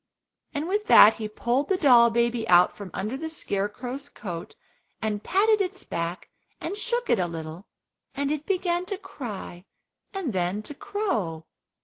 And with that he pulled the doll baby out from under the Scarecrow's coat, and patted its back, and shook it a little, and it began to cry, and then to crow.